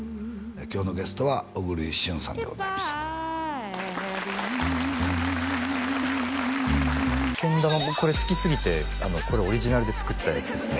今日のゲストは小栗旬さんでございましたけん玉も好きすぎてこれオリジナルで作ったやつですね